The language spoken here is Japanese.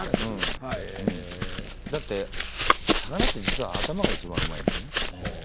だって魚って実は頭がいちばんうまいんだよね。